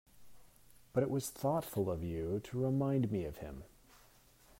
But it was thoughtful of you to remind me of him.